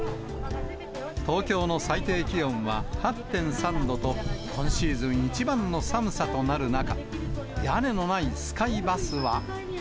東京の最低気温は８．３度と、今シーズン一番の寒さとなる中、屋根のないスカイバスは。